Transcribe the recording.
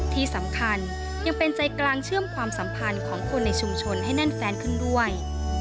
ที่สำคัญยังเป็นใจกลางเชื่อมความสัมพันธ์ของคนในชุมชนให้แน่นแฟนขึ้นด้วย